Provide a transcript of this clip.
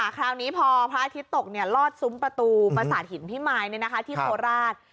คราวนี้พอพระอาทิตย์ตกลอดซุ้มประตูประสาทหินพิมายที่โคราช